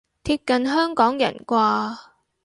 貼近香港人啩